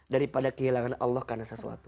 daripada kehilangan allah karena sesuatu